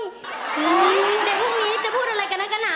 โอ้โหเดี๋ยวพรุ่งนี้จะพูดอะไรกับนักกะหนา